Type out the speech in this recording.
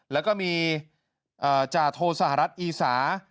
แล้วก็มีจาโทสหรัฐอีสา